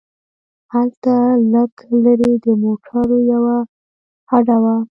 هلته لږ لرې د موټرو یوه هډه وه.